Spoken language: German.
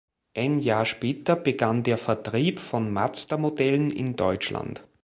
Ein Jahr später begann der Vertrieb von Mazda-Modellen in Deutschland.